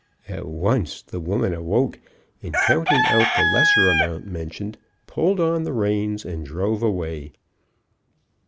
At once the woman awoke, and counting out the lesser amount mentioned, pulled on the reins and drove away.